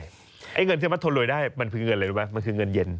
ไอ้เงินที่มัดทนรวยได้มันคือเงินอะไรรู้ไหมมันคือเงินเย็น